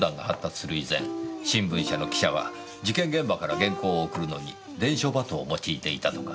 以前新聞社の記者は事件現場から原稿を送るのに伝書鳩を用いていたとか。